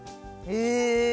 へえ。